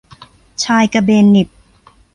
ชายกระเบนเหน็บ